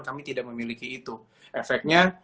kami tidak memiliki itu efeknya